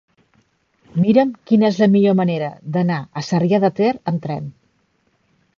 Mira'm quina és la millor manera d'anar a Sarrià de Ter amb tren.